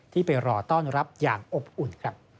ที่ไปรอต้อนรับอย่างอบอุ่น